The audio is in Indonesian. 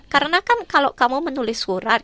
karena kan kalau kamu menulis surat